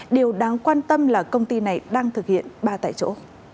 điều đáng quan tâm là công ty này đang thực hiện ba tại chỗ